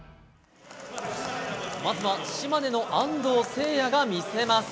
まずは島根の安藤誓哉が見せます。